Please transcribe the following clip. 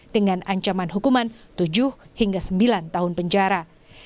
sekitar tujuh hingga sembilan tahun penjara